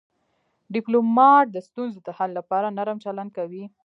ډيپلومات د ستونزو د حل لپاره نرم چلند کوي.